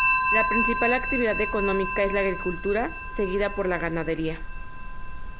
La principal actividad económica es la agricultura, seguida por la ganadería.